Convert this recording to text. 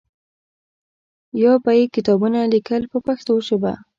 یا به یې کتابونه لیکل په پښتو ژبه.